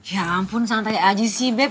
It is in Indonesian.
ya ampun santai aja sih bep